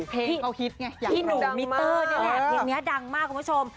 พี่หนูมิตเตอร์นี่แหละเพลงนี้ดังมากคุณผู้ชม